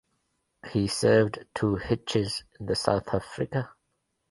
He served two hitches in the South Africa.